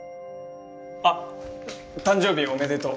あっ誕生日おめでとう。